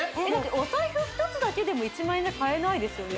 お財布１つだけでも１万円じゃ買えないですよね